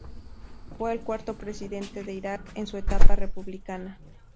Fue el cuarto presidente de Irak en su etapa republicana.